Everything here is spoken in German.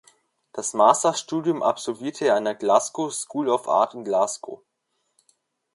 Das Masterstudium absolvierte er an der Glasgow School of Art in Glasgow.